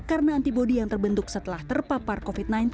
karena antibody yang terbentuk setelah terpapar covid sembilan belas